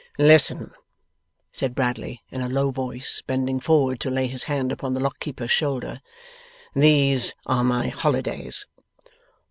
'Listen,' said Bradley, in a low voice, bending forward to lay his hand upon the Lock keeper's shoulder. 'These are my holidays.